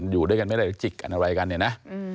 อยู่ด้วยกันไม่ได้จิกกันอะไรกันเนี่ยนะ